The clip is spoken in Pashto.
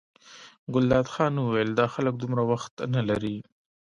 ګلداد خان وویل دا خلک دومره وخت نه لري.